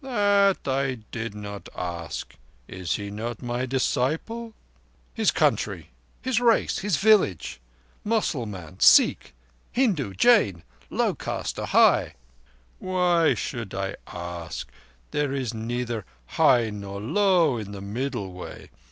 "That I did not ask. Is he not my disciple?" "His country—his race—his village? Mussalman—Sikh Hindu—Jain—low caste or high?" "Why should I ask? There is neither high nor low in the Middle Way.